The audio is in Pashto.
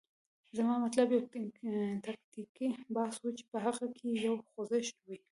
زما مطلب یو تکتیکي بحث و، چې په هغه کې یو خوځښت وي.